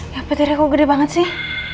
ya petirnya kok gede banget sih